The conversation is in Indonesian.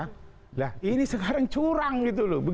nah ini sekarang curang gitu loh